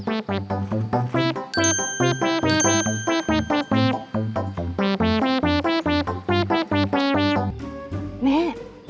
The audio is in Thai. ไปสิ